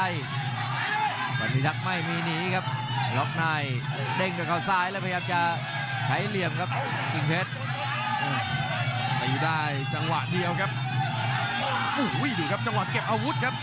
อยู่ได้จังหวะเดียวครับดูครับจังหวะเก็บอาวุธครับ